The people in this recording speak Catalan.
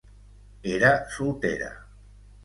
Era soltera.